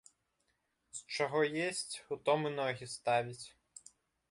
З чаго есць, у том і ногі ставіць.